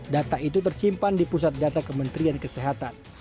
data itu tersimpan di pusat data kementerian kesehatan